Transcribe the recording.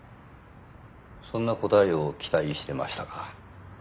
そんな答えを期待してましたか？